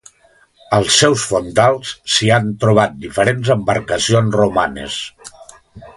Als seus fondals s'hi han trobat diferents embarcacions romanes.